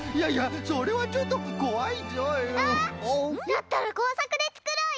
だったらこうさくでつくろうよ！